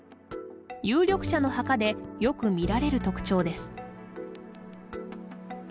有力者の墓でよく見られる特徴です。